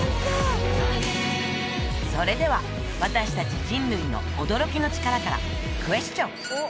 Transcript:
それでは私達人類の驚きの力からクエスチョン